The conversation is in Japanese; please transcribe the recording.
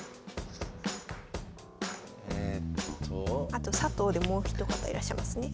あと佐藤でもう一方いらっしゃいますね。